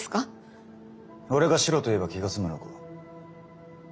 俺がしろと言えば気が済むのか？